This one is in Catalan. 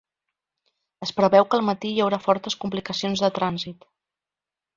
Es preveu que al matí hi haurà fortes complicacions de transit.